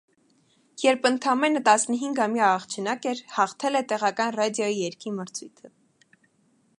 Երբ ընդամենը տասնհինգամյա աղջնակ էր, հաղթել է տեղական ռադիոյի երգի մրցույթը։